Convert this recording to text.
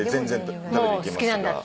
好きなんだって。